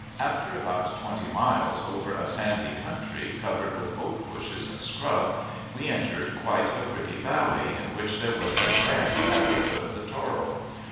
After about twenty miles over a sandy country covered with oak bushes and scrub, we entered quite a pretty valley in which there was a ranch at the foot of the Toro.